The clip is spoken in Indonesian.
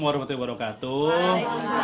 waalaikumsalam warahmatullahi wabarakatuh